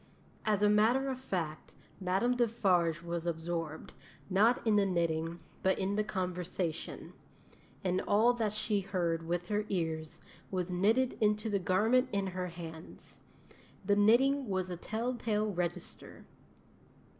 As a matter of fact, Madame Defarge was absorbed, not in the knitting, but in the conversation; and all that she heard with her ears was knitted into the garment in her hands. The knitting was a tell tale register.